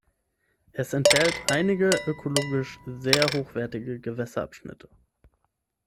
Es enthält einige ökologisch sehr hochwertige Gewässerabschnitte.